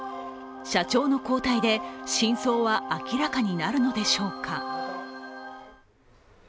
社長の交代で真相は明らかになるのでしょうか。